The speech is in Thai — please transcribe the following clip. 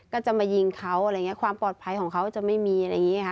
ก็จะมายิงเขาอะไรอย่างนี้ความปลอดภัยของเขาจะไม่มีอะไรอย่างนี้ค่ะ